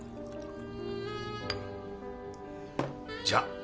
じゃあ。